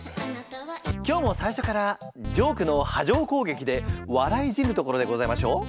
今日も最初からジョークの波状こうげきで笑い死ぬところでございましょう？